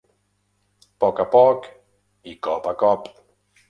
Poc a poc i cop a cop.